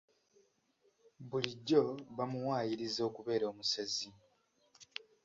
Bulijjo bamuwaayiriza okubeera omusezi.